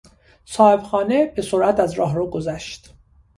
صاحبخانه به سرعت از راهرو گذشت.